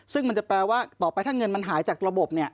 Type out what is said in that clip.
ซึ่งมันจะแปลว่าต่อไปถ้าเงินมันหายจากระบบ